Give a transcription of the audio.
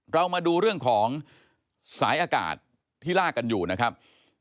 เรามาดูเรื่องของสายอากาศที่ลากกันอยู่นะครับ